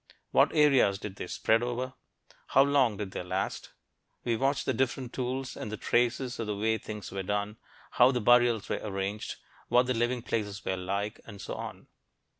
What areas did they spread over? How long did they last? We watch the different tools and the traces of the way things were done how the burials were arranged, what the living places were like, and so on.